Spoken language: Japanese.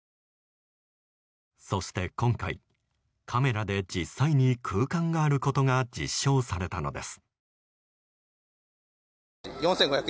そして今回カメラで実際に空間があることが実証されたのです。